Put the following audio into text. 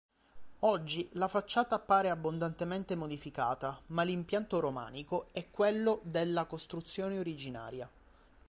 Oggi la facciata appare abbondantemente modificata, ma l'impianto romanico è quello della costruzione originaria.